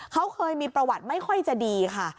เขาเคยมีประวัติไม่ค่อยจะดีค่ะ